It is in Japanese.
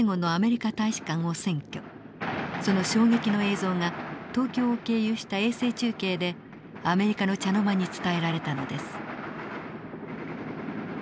その衝撃の映像が東京を経由した衛星中継でアメリカの茶の間に伝えられたのです。